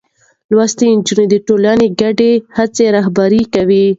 لوستې نجونې د ټولنې ګډې هڅې رهبري کوي.